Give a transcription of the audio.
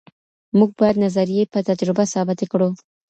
موږ باید نظریې په تجربه ثابتې کړو.